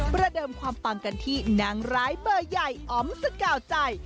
ประเดิมความปังกันที่นางร้ายเบอร์ใหญ่อ๋อมสกาวใจ